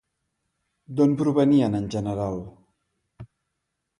D'on provenien en general?